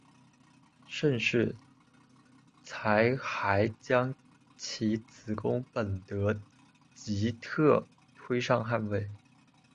盛世才还将其子恭本德吉特推上汗位。